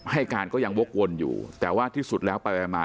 ให้การก็ยังวกวนอยู่แต่ว่าที่สุดแล้วไปมา